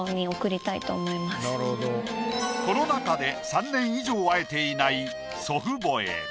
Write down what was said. コロナ禍で３年以上会えていない祖父母へ。